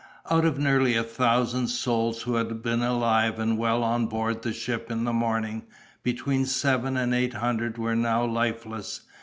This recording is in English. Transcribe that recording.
Out of nearly a thousand souls who had been alive and well on board the ship in the morning, between seven and eight hundred were now lifeless.